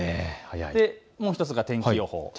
もう１つが天気予報です。